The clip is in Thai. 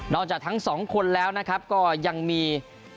จากทั้งสองคนแล้วนะครับก็ยังมี